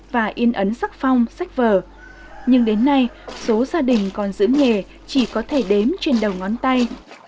và in ấn sắc phong sách vở nhưng đến nay số gia đình còn giữ nghề chỉ có thể đếm trên đầu ngón tay